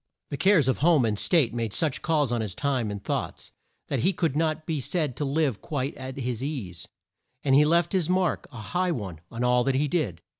The cares of home and state made such calls on his time and thoughts, that he could not be said to live quite at his ease, and he left his mark a high one on all that he did.